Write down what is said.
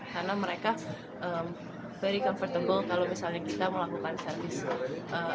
karena mereka very comfortable kalau misalnya kita mau lakukan service